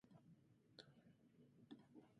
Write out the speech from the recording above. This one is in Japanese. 栃木県那須町